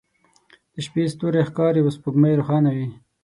د شپې ستوری ښکاري او سپوږمۍ روښانه وي